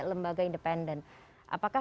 lembaga independen apakah